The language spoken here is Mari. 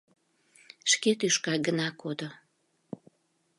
Шке тӱшка гына кодо.